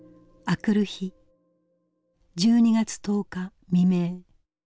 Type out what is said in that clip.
明くる日１２月１０日未明。